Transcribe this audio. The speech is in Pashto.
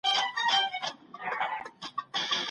آیا دا ډول مطالعه د انسان شخصیت جوړوي؟